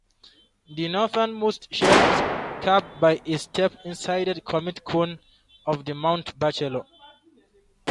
The northernmost shield is capped by a steep-sided summit cone of Mount Bachelor.